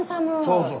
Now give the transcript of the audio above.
そうそう。